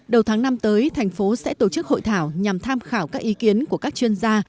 đầu tháng năm tới thành phố sẽ tổ chức hội thảo nhằm tham khảo các ý kiến của các chuyên gia